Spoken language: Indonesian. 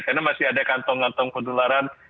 karena masih ada kantong kantong penularan